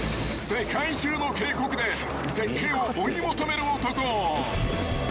［世界中の渓谷で絶景を追い求める男］